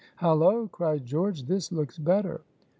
"Hallo!" cried George, "this looks better."